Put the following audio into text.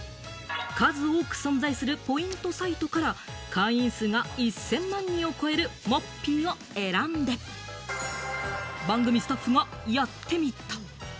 数多く存在するポイントサイトから会員数が１０００万人を超えるモッピーを選んで番組スタッフがやってみた。